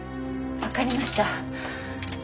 わかりました。